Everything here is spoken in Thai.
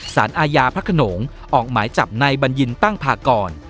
สารอาญาพระขนงออกหมายจับในบัญญินตั้งพากร